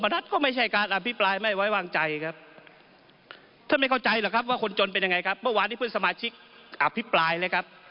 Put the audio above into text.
ท่านไม่เข้าใจหรอกครับว่าคนจนเป็นยังไงครับเมื่อวานที่เพื่อนสมาชิกอภิปรายเลยครับ